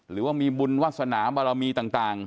หรือว่ามีบุญวาสนาบารมีต่าง